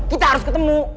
kita harus ketemu